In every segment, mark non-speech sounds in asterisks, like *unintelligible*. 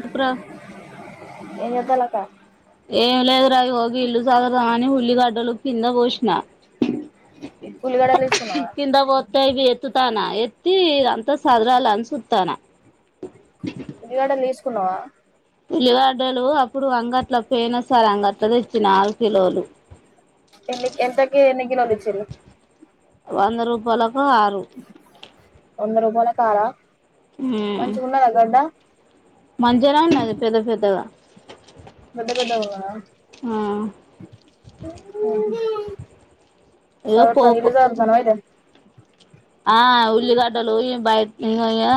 చెప్పురా ంది వెనకాల కా ఏమి లేద్ర అగ హ ఇళ్ల్ సగ అని హుల్లి గాడ్డలు కింద బశిన ఉల్లిగడ్డలు తీసుకున్నావా కింద పోతా ఇ బ ఎత్తనా ఎత్తి అంత సాజరాాల అన్ సతానా ఉల్లిగడ్డ తీస కున్నా పెల్లిగడ్డ అప్పుడు అంగట్ల పోయిన సరే అంగట్ల ఆరు కిలోలు ఎ ఎంతకే ఎన్ని కిలోలు ఇచ్చిన్రు వంద రూపాయలకు ఆరు వంద రూపాయలకు ఆరు ఆ మంచగుండాల గడ్డా మంచిగానే ఉన్నాది పెద్ద పెద్దగా పెద్ద పెద్దగా ఉన్నారా ఆ ఇగో సావర్థని పోపు ఇలు సావథానాయిద ఆ ఉల్లిగడ్డలు బయ ఇ ఇ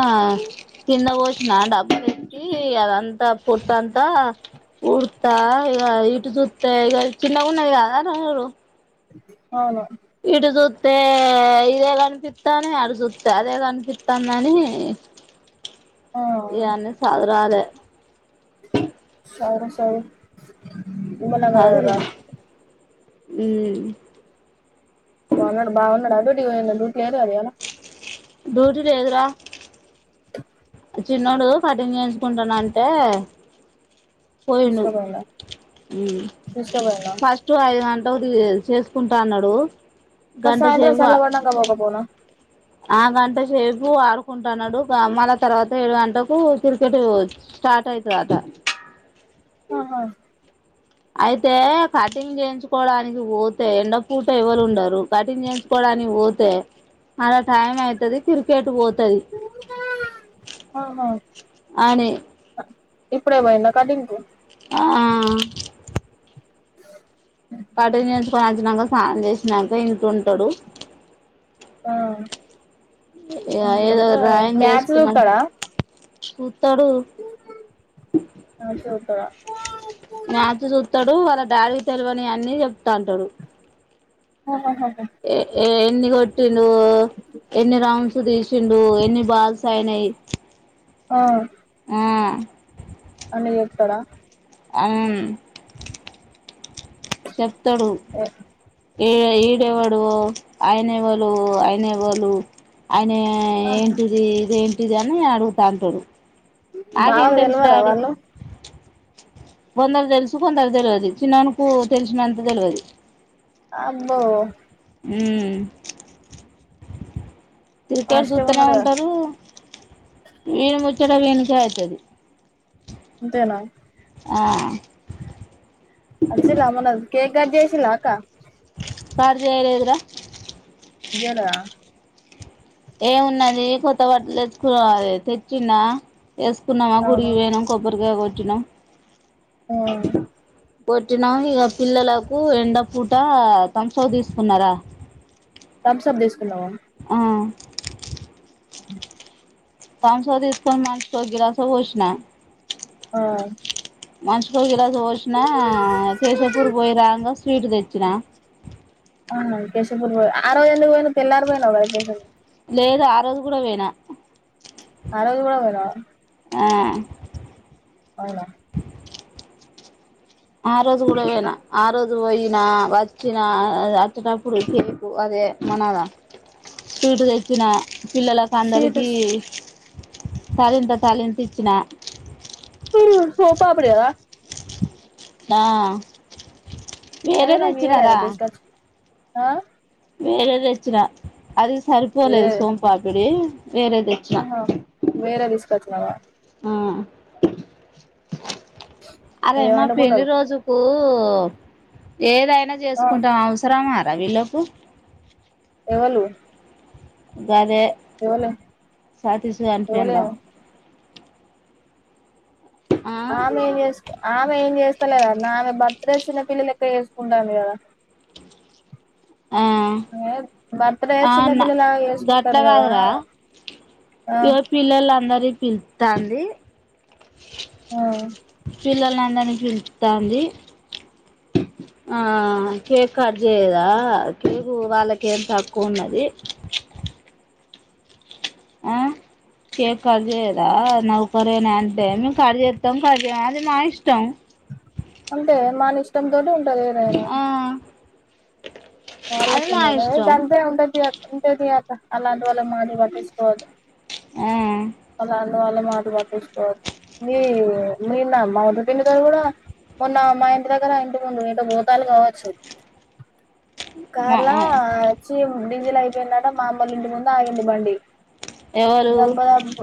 కిన్న వచ్చిన డబ్బా తెసి అదంతా పొట్టు అంత ఉడతా ఇ ఇటు తత్ ఇ చిన్నగా ఉన్న ఇ అ అ ఇటు జు తే ఇదే కనిపిస్తా అదే అడు చూస్త అదే కనిపితంది అని ఆ ఎన్ని సాదర లే సర సర ఉమ్మలగర్ ఉమ్ బాగున్నాడు బాగున్నాడు అ డ్యూటే పోయిండు డ్యూటే డ్యూటీ *unintelligible* లేదురా చిన్నోడు పఠం చేయించుకుంటాన అంటే పోయిండు తీసుకుపోయిండా ఉమ్ తీసుకుపోయిండా ఫస్ట్ హ్మ్మ్ అఐ ది చేసుకుంటా అన్నాడు మా గంట సాయంత్రం సేపు సల పడ్నక పోక పోనా ఆ గంట సేపు ఆడుకుంటున్నాడు గ మళ తర్వాత ఏడు గంటకు క్రికెట్ స్టార్ట్ అయితదట ఆహా అయితే కటింగ్ చేయించుకోడానికి పోతే ఎండపూట ఎవరు ఉండరు కటింగ్ చేయించుకోడానికి పోతే అలా టైం అయితాది క్రికెట్ పోతుది ఆహా ఇపుడే పాయిండా కటింగ్కు ఆ *unintelligible* కటింగ్ చేయించుకొని వచ్చినక స్నానం చేసినక ఇంట్లో ఉంటడు ఆ ఏదో ఇంకేంటే డ్రాయింగ్ మ్యాచ్ వేసుకున్నాడు చూస్తాడా చుతాడు ఆ చూత్తడా మ్యాచ్ చూతాడు వా డాడీ తెలవని అన్ని చెప్తా ఉంటాడు ఆ ఏ ఏ ఎన్ని కోటిన్రు ఎన్ని రౌండ్స్ ఎని తిసిండు ఎన్ని బాల్స్ అయినయ్ ఆ అని చెప్తాడా ఆవును చెప్తాడు ఏ ఈ ఈడేవాడువో ఆయనేవాళ్ళు ఆయనేవాళ్ళు ఆయ ఏయ్ ఏంటిది ఇదే ఇది అని అడుగు తాంటడు బావ కు తేల్వద వాళు కొందరు తెలుసు కొందరు తెలియదు చినొనుకు తెలిసినంత తెలియదు అబ్బో హ్మ్ క్రికెట్ ఫాస్ట్గా చూస్తూనే ఉన్నడుగా ఉంటారు విని ముచ్చట వినికే అయితది అంతేనా ఆ అచిరామనరు కేక్ కట్ చేసలా అకా కట్ చేయలేదు ర ఎలా ఏమున్నది కొత్త బట్లు తెచ్చుకోవాలి తెచ్చిండ వేసుకున్నామా అవును గుడికి పోయినం కొబ్బరికాయ కొట్టి తినం ఆ కోటినాం ఇక పిల్లలకు ఎండ పూట తుమ్బసప్ తీసుకున్నారా థమ్స్ అప్ తీసుకున్నావా? ఆ అవును కౌంస తీసుకని మనిషికో గిలాస పోసిన ఆ మనిషికో గిలాస పోసినా, కేశవపూర్ పోయిరాంగ స్వీట్ తెచ్చిన. ఆ కేశవపూర్ పోయి ఆ రోజు ఎందుకు పోయినవ్, తెళ్లారి పోయినవ్ కదా కేశవపూర్. లేదు ఆరోజు కూడా వొయినా. ఆరోజు కూడా పోయినవా? ఆ అవునా ఆ రోజు కూడ వొయిన ఆ రోజు వొయినా వ చ్చిన అచ్చెటప్పుడు సేపు అదే మన స్వీట్ తెచ్చిన. పిల్లలకు స్వీట్ అందరికీ తలింత, తలింత ఇచ్చిన. సొంపాపిడి గదా? ఆ అదే నేనే నాకు ఇయ్యలేదా తెచ్చినరా తీసుకొచ్చి ఆ వేరే దెచ్చిన అది సరిపోలేదు సోంపాపిడి. వేరే తెచ్చిన ఆ హా వేరేదిసు తెచ్చినవా మ్మ్ అరే ఏం మా పెండ్లి వండుకున్నరు రోజుకూ కూ ఏదై న ఆ చేసుకుంటం అంసరమ రా వీళ్లకు ఎవళు గదే సతీష్ గాని పెండ్లం ఎవలేమో ఆ మేం చే ఆమె ఏం చేస్తలేదట్నా, ఆమె బర్త్డే చిన్నపిల్లలెక్క చేసుకుంటాది కదా ఆ ఆమె బర్త్డే ఆ చిన్న అన్న పిల్లలాగా చేసుకుంటారు గట్గ కదా కాదురా ఆ ఇగ పిల్లలందరి పిత్తాంది ఆ పిల్లల్ని అందరిని పిల్స్తాంది. ఆ కేక్ కట్ చేయదా, కేక్ వాళ్ళకి ఏం తక్కువ ఉన్నది. ఆ కేక్ కట్జేయదా నౌకరేనే అంటే, మేం కట్ చేత్తం కట్ చెయం అది మా ఇష్టం. అంతే మనిష్టం తోటి ఆ *unintelligible* అది మా ఇష్టం తప్పేముంది చేస్ ఉంటది అక్క అలాంటి వాళ్ళ మాటలు పట్టించుకోవద్దు ఆ అలాంటి వాళ్ళ మాటలు పట్టించకోవద్దు. మీ మీ నా మా ద పిన్నీ గారు కూడా మొన్న మా ఇంటి దగ్గర ఇంటి ముందు ఇంత భూతాలు కావచ్చు మా కార్లా వచ్చి డీజిలు అయిపోయిందంటా మా అమ్మ వాళ్ళింటి ముందు ఆగింది బండి ఎవరు దొబ్బ లేక పో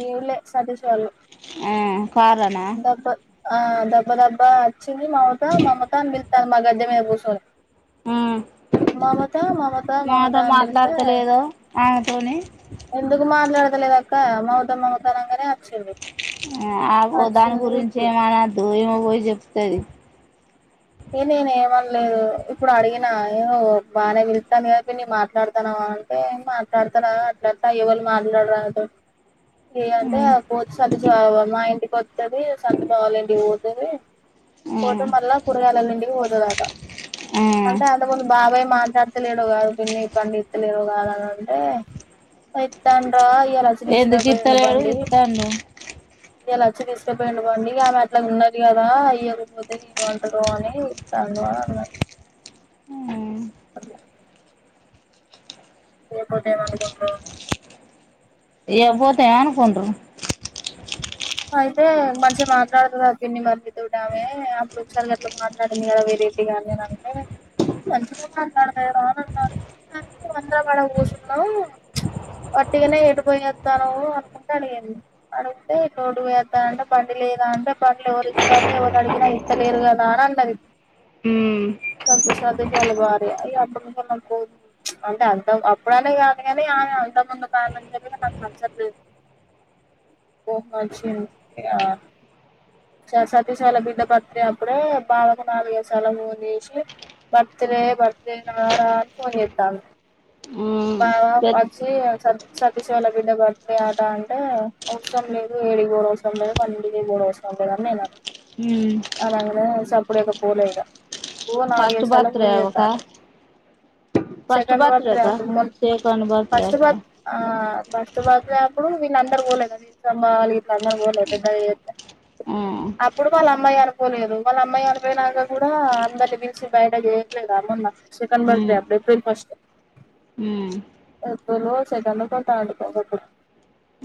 ఈవులే సతీష్ గారు ఆ కారులోనా ఆ దబ్బ దబ్బ చి మమత మమతా అని పి ధర్మ గడ్డనే కూసో మ్మ్ మమత మాతో అని పిలిత్తే మాట్లాడతలేదో ఆమెతోని ఎందుకు మాట్లాడుతలే క మమత మమత అనంగనే ఆగు దాని గురించి ఇప్పుడు ఏమనద్దు ఈమె పోయి చెప్తది ఏ నేను ఏమనలేదు ఇప్పుడు అడిగినా ఏ బానే పిలుత్తాంది కాబట్టి నేను మాట్లాడతానవ అంటే మాట్లాడతార అట్లెట్ల ఎవళు మాట్లాడరా ఏందే ఆ బొచ్చు అది మా ఇంటి కొచ్ పోతది సంతు బావలింటికి పోతది ఆ పోతే మల్ల చుట్టాలొల్లింటికి పోతాదంట ఆ అంటే అంతకు ముందు బాగా పోయి మాట్లాడుతలేవు కదా పిన్ని కన్పిత్తలేవు కదా అని అంటే ఇత్తాండ్రో ఎందుకు ఇత్తలేడు ఇత్తాండు ఇయ్యాల వచ్చి తీసుకుపోయిండు బండి ఇగ ఆమె అట్లా ఉన్నది కదా ఇయ్యకపోతే గో అని హ్మ్మ్ అదే ఇయకుంటే ఏం అనుకుంటారో ఇయ్యకపోతే అనుకుంటారు హ అయితే మంచిగా మాట్లాడుతుద పిన్ని మరిది తోటి ఆమె అప్పుడు ఒకసారి అట్లా మాట్లాడింది కదా వేరేటిగా అనీ నేను అంటే మంచిగా మాట్లాడతాది రా అని అన్నాను కానీ అందరం అడ కూర్చున్నాం వట్టిగానే ఎటు పోయేస్తానవ్ అనుకుంటా అడిగింది అడిగీతే రోడ్డుపోయి వస్త అంటే బండి లేద అంటే బండ్లు ఎవరు ఇస్తారు ఎవరు అడిగినా ఇస్తలేరు కదా అని అన్నది సందీప్ వాళ్ళ భార్య అప్పుడు ను పో అంటే అంత అప్పుడ అనే కాదు కాని ఆమే అంతకు ముందు కారణం నాకు నచ్చట్లేదు. *unintelligible* సతీశాల బిడ్డ బర్త్డే అప్పుడే బావకు నాలుగేసాల ఫోన్ చేసి బర్త్డే బర్త్డే రా రా అని ఫోన్ చెత్తంది. బావ వచ్చి సరుకు సతీష్ వాళ్ళ బిడ్డ బర్త్డే అట అంటే అవసరం లేదు నువ్వు ఏడికి పోవుడు అవసరం లేదు వాళ్ళింటి కే పోవుడు అవసరం లేదు అని నేను అన్న అనంగనే సప్పుడిక పోలేఇక ఓ నాలుగు ఫస్ట్ ఐదుసార్లు బర్త్డే ఫోన్ ఒక చెత్తండు first second birth birthday day కా అప్పుడు మొన్న సెకండ్ బర్త్డే ఫస్ట్ కా బర్త్ ఆ ఫస్ట్ బర్త్డే అప్పుడు వీళ్ళు అందరు పోలేదు *inaudible* ఆ ఉమ్ అప్పుడు వాళ్ళ అమ్మాయి అనుకోలేదు వాళ్ళ అమ్మాయి కూడా అనిపోయినాక కూడా అందరిని పిలిచి బయట చేయట్లేద మొన్న సెకండ్ బర్త్ ఉమ్ డే అప్పుడు ఏప్రిల్ ఫస్ట్ ఉమ్ ఏప్రిల్ ఒ సెకండ్ కొ థర్డ్ కో ఒకఅప్పుడు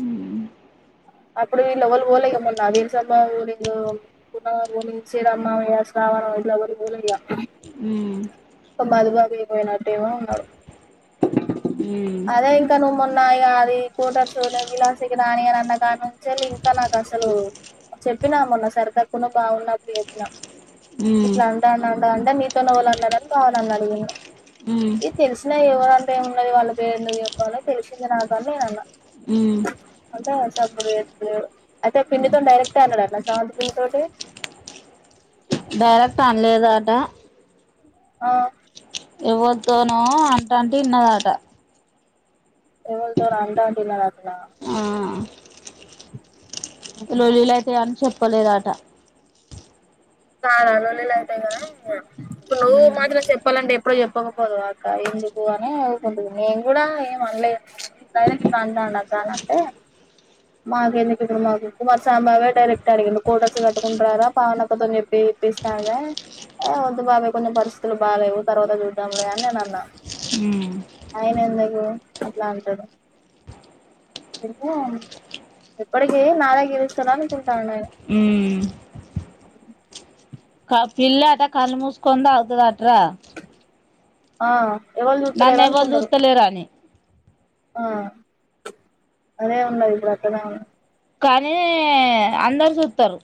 ఉమ్ అప్పుడు వీళ్ళఎవళ్ళు పోలే ఇక మొన్న వీలస్వామి మావయ్య *unintelligible* శ్రీరామ్ మావయ్య శ్రావణు పోలయ్యా ఒక మధుబాబు పోయినట్టేమో ఉన్నాడు. ఉమ్ అదే ఇంకా నువ్వు మొన్న ఆ అది ఫోటోస్ విలాసకి రాని అని అన్న కాని నుంచి ఇంకా నాకు అసలు చెప్పినా మొన్న సరిదకున బాగున్నట్డు చెప్పినా ఇట్లా అంటా అంట అంటే మీతోనే వాళ్ళు అన్నాడని బాగున్నాన్నని అడిగింది ఉమ్ ఇది తెలిసినా ఎవరంటే ఏ ఉన్నది వాళ్ళ నేను ఎందుకు చెప్పాలో తెలిసింది నాకు అని అన్నా ఉమ్ అంటే సప్పుడు చేస్తలే అయితే పిన్నీ తో డైరెక్ట్ అన్నడంట స్రవంతి పిన్ని తోటి దరక్ పనిలేదు అట ఆ ఎవల్తోనో అంటంటే ఇన్నదాట ఎవల్తోనో అంటంటే విన్నడటన లోళ్ళులు అయితే అని చెప్ప పోలేదట కాలవలవల్ల లేట్ ఐందన ఇప్పుడు నువ్వు ఉమ్ మాత్రం చెప్పాలంటే ఎప్పుడ చెప్పకపోదువ అక్క ఎందుకు అని ఊకుంటుంది నేను కూడా ఏం అనలేదు అక్క అని *unintelligible* అంటే మాకు ఎందుకు ఇప్పుడు మాకు కుమార్స్వామి బావే డైరెక్ట్ అడిగిడు కోటర్స్ కట్టుకుంటారా పావనక్కతోని చెప్పి ఇవి ఇప్పిస్తాలే వద్దు బాగా కొంచెం పరిస్థితులు బాగాలేేవు తర్వాత చూద్దాంలే అని నేను అన్నా ఉమ్ ఆయిన ఎందుకు ఇట్లా అంటడు *unintelligible* ఎప్పటికి నాదే గెలుస్తాను అనుకుంటాడ నేను ఉమ్ క పిల్లి అట కళ్ళు మూసుకొని తగుతదట రా. ఆ ఎవరు నన్ను చూస్తలేరు ఎవళు అనుకుంటారు చూత్తలేరాని ఆ అదే ఉన్నాది ఇప్పుడు అక్కడనే ఉం కానీ అందరు చూత్తరు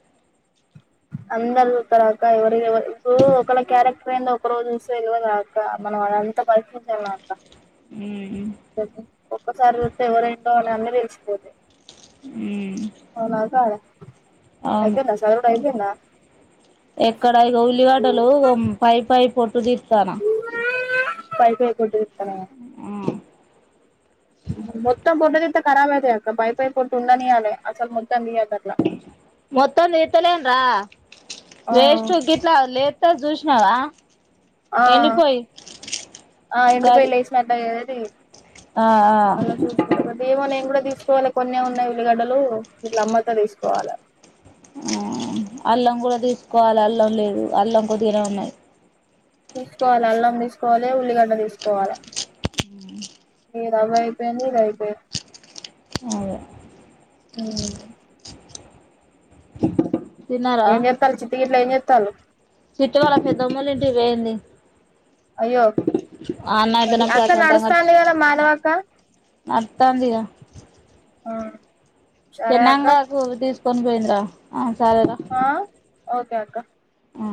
అందరు చూత్తరక్క ఎవరికి ఎవరు ఇప్పుడు ఒకల్లా క్యారెక్టర్ ఎందో ఒకరోజు చూస్తే తెలవదా అక్క మనం అంతా పరిక్షించామ అక్క. మ్మ్ ఒక్కసారి కొడితే ఎవరెంటో అని అన్నీ తెలిసిపోతాయ్ మ్మ్ ఆనాకా అవును అయతేనాస అయిపోయిందా ఎక్కడ ఇగో ఉల్లిగడ్డలు పై పై పొట్టు తీ చానా పైపై ఫోటో తీత్తనా మొత్తం ఫోటోతీత్తే కరాబైతాయ్ అక్క పై పై పొట్టు ఉండనీయాలే అసలు మొత్తం తీయకట్ల. మొత్తం తీత్తలేను రా ఆ వేస్ట్ గిట్లా లేత జూస్ *unintelligible* నావ ఆ ఆ ఎండిపోయి గది లేసినట్టు అయ్యాయి టేప్ ఆ ఆ అలా చూసుకో *unintelligible* ఏమో నేను కూడా తీ చూల్లా కొన్నే ఉన్నాయి ఉల్లిగడ్డలు ఇట్లా అమ్మితే తీసుకోవాలే. ఆ అల్లం కూడా తీసుకోవాలి అల్లం లేదు అల్లం కొద్దిగనే ఉన్నాయి. తీసుకోవాలి అల్లం తీసుకోవాలి ఉల్లిగడ్డ తీసుకోవాల ఈ రవ్వ అయిపోయింది ఇది అయిపోయింది అదే ఉం తిన్నారా ఎం చెత్తాళ్ళు చిట్టి గిట్ల ఏం తలు చిట్టి వాళ్ళ పెద్దమ్మలు ఇంటికి పోయింది అయ్యో ఆన్నయితేనే అక్క ప్రశాంతంగా నడుస్తుంది కద మాన్ వాక్క అత్తంది ఇగ చెనాంగా ద కొన్ పోయింది ర ఆ ఒకే ఒకే ఆ